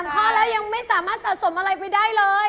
ข้อแล้วยังไม่สามารถสะสมอะไรไปได้เลย